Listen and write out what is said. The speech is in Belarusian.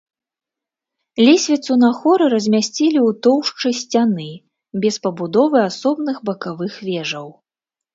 Лесвіцу на хоры размясцілі ў тоўшчы сцяны без пабудовы асобных бакавых вежаў.